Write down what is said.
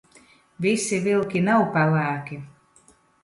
Visi vilki nav pelēki.